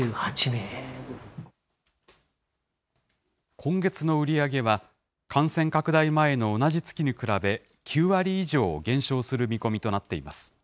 今月の売り上げは感染拡大前の同じ月に比べ、９割以上減少する見込みとなっています。